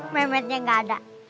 mehmetnya gak ada